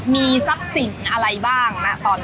มีซับสิ่งอะไรบ้างตอนนั้น